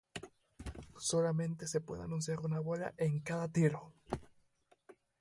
Solamente se puede anunciar una bola en cada tiro.